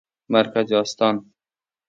مرکز استان